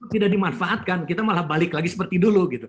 tidak dimanfaatkan kita malah balik lagi seperti dulu gitu